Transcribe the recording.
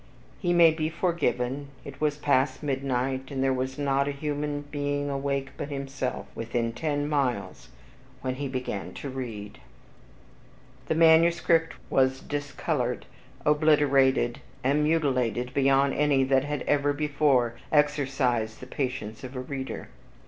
He may be forgiven, it was past midnight, and there was not a human being awake but himself within ten miles when he began to read. ..... The manuscript was discolored, obliterated, and mutilated beyond any that had ever before exercised the patience of a reader.